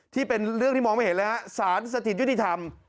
ที่เป็นเรื่องที่มองไม่เห็นเลยฮะสารสถิตยุติธรรม